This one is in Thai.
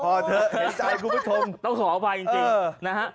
พอเถอะในใจคุณผู้ชมต้องขออภัยจริงนะฮะ